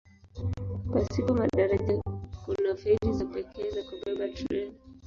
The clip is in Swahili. Pasipo madaraja kuna feri za pekee za kubeba treni.